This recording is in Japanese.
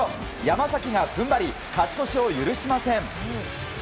山崎が踏ん張り勝ち越しを許しません。